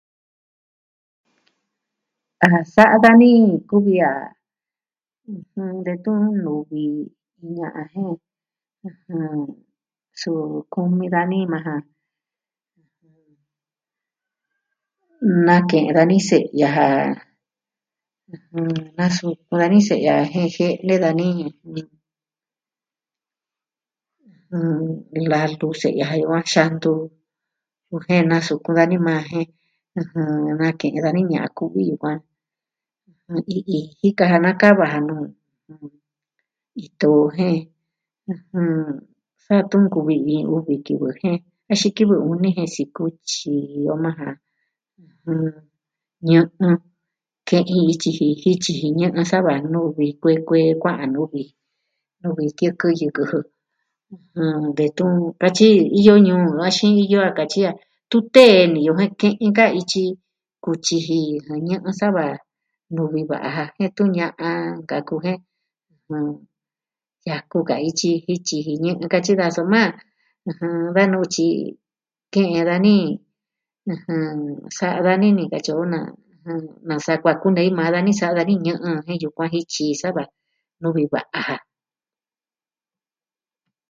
A sa'a dani kuvi a detun nuvi iin ña'a jen, suu kumi dani majan na ke'en dani se'ya ja nasukun dani se'ya ja jen jie'ene dani lalu se'ya ja yukuan xantu ju jen nasukun dani majan nake'en dani ña'an ku'vi yukuan jen ii ii jika ja nakava nuu ito jen sa tun nkuvi iin uvi kivɨ jen axin kivɨ uni jen sikutyi o majan ñɨ'ɨ, ke'in ityi jityi ji ñɨ'ɨ sa va nuvi ji kuee kuee kua'an nuvi ji, nuvi tiɨkɨn yɨkɨ jɨ detun katyi iyo ñuu axin iyo a katyi a tun tee niyo jen ke'in ka ityi kutyi ji ñɨ'ɨ sa va nuvi ji va'a ja jen detun ña'an nkaku jen yaku ka ityi jityi ji ñɨ'ɨ katyi daja soma da nu'u tyi ke'en dani sa'a dani ni katyi o nasa kuaa kunei maa dani sa'a dani ñɨ'ɨ jɨn jen yukuan jityi ji sa va nuvi va'a ja.